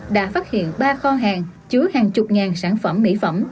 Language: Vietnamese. đã phát hiện ba kho hàng chứa hàng chục ngàn sản phẩm mỹ phẩm